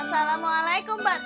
assalamualaikum mbak tati